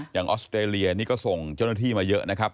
ออสเตรเลียนี่ก็ส่งเจ้าหน้าที่มาเยอะนะครับ